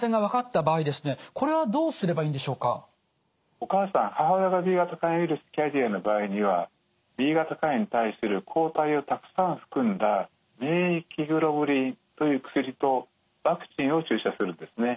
お母さん母親がＢ型肝炎ウイルスキャリアの場合にはＢ型肝炎に対する抗体をたくさん含んだ免疫グロブリンという薬とワクチンを注射するんですね。